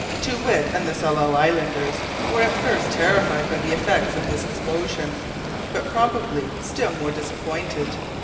Too Wit and the Tsalal islanders were at first terrified by the effects of this explosion, but probably still more disappointed.